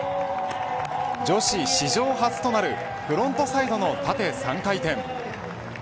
女子史上初となるフロントサイドの縦３回転。